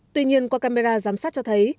tuy nhiên qua camera giám sát cho thấy